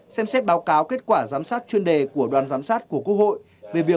xem xét báo cáo kết quả giám sát chuyên đề của đoàn giám sát của quốc hội